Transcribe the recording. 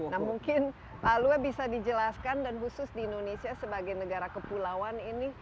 nah mungkin pak lua bisa dijelaskan dan khusus di indonesia sebagai negara kepulauan ini